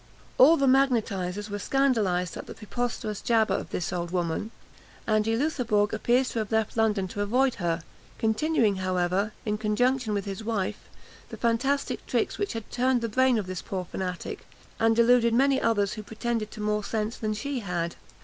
All the magnetisers were scandalised at the preposterous jabber of this old woman, and De Loutherbourg appears to have left London to avoid her, continuing, however, in conjunction with his wife, the fantastic tricks which had turned the brain of this poor fanatic, and deluded many others who pretended to more sense than she had.